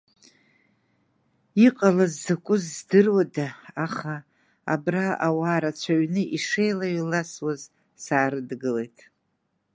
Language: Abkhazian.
Иҟалах закәыз здыруада, аха абра ауаа рацәаҩны ишеилаҩ-еиласуаз саарыдгылеит.